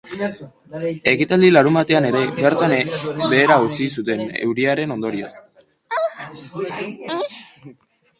Ekitaldia larunbatean ere bertan behera utzi zuten euriaren ondorioz.